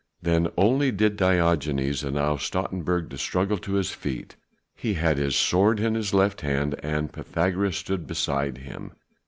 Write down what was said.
Then only did Diogenes allow Stoutenburg to struggle to his feet. He had his sword in his left hand and Pythagoras stood beside him.